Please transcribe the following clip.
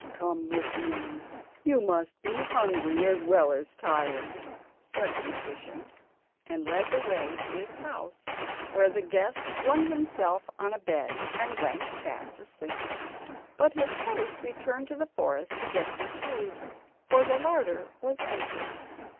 "Come with me, you must be hungry as well as tired," said the magician, and led the way to his house, where the guest flung himself on a bed, and went fast asleep. But his host returned to the forest to get some food, for the larder was empty.